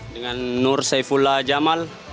dengan nur seyfula jamal